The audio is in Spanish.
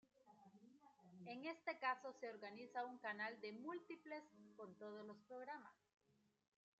En este caso, se organiza un canal de múltiplex con todos los programas.